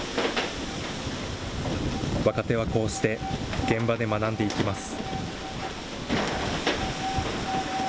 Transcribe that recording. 若手はこうして現場で学んでいきます。